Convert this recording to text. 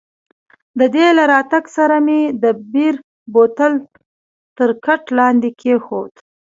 د دې له راتګ سره مې د بیر بوتل تر کټ لاندې کښېښود.